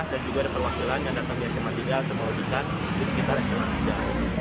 dan juga ada perwakilan yang datang di sma tiga atau melakukan di sekitar sma tiga